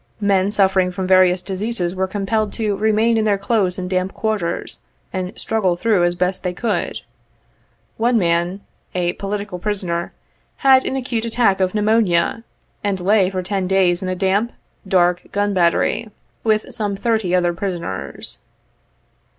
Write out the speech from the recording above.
Men suffering from various diseases were compelled to remain in their close and damp quarters, and struggle through as best they could. One man, "a political pri soner," had an acute attack of pneumonia, and lay for ten days in a damp, dark gun battery, with some thirty other prisoners.